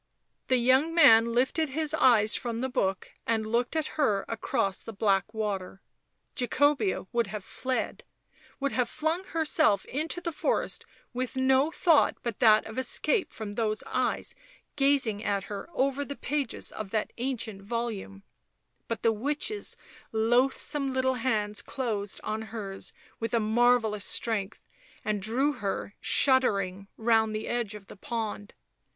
The young man lifted his eyes from the book and looked at her across the black water. Jacobea would have fled, would have flung herself into the forest with no thought but that of escape from those eyes gazing at her over the pages of that ancient volume; but the witch's loathsome little hands closed on hers with a marvellous strength and drew her, shuddering, round the edge of the pond.